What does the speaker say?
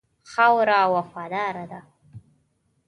خاوره وفاداره ده.